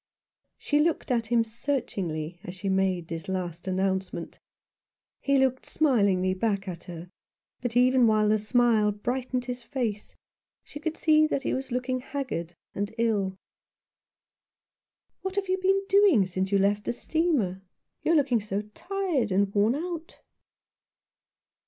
She looked at him searchingly as she made this last announcement. He looked smilingly back at her ; but even while the smile brightened his face she could see that he was looking haggard and ill. "What have you been doing since you left the steamer ? You are looking so tired and worn out."